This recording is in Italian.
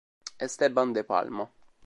Esteban de Palma